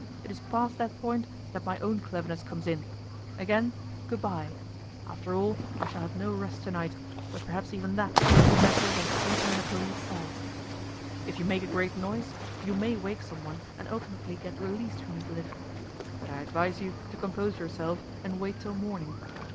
It is past that point that my own cleverness comes in. Again, good bye. After all, I shall have no rest to night, but perhaps even that will be better that sleeping in a police cell. If you make a great noise you may wake someone and ultimately get released from this lift. But I advise you to compose yourself, and wait till morning.